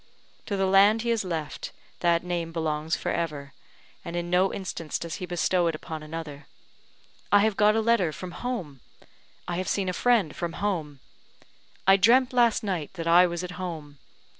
To the land he has left, that name belongs for ever, and in no instance does he bestow it upon another. "I have got a letter from home!" "I have seen a friend from home!" "I dreamt last night that I was at home!"